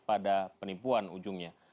pada penipuan ujungnya